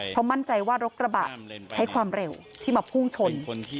เพราะมั่นใจว่ารถกระบะใช้ความเร็วที่มาพุ่งชน